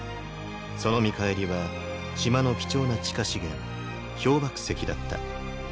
その見返りは島の貴重な地下資源「氷爆石」だった。